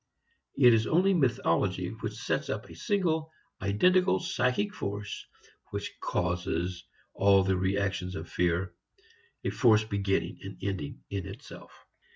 It is only mythology which sets up a single, identical psychic force which "causes" all the reactions of fear, a force beginning and ending in itself.